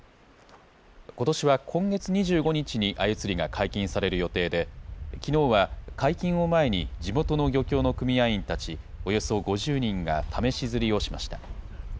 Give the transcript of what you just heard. ことしは今月２５日にあゆ釣りが解禁される予定で、きのうは解禁を前に、地元の漁協の組合員たち、およそ５０人が試し釣りをしました。